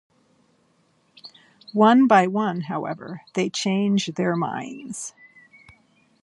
One by one, however, they change their minds.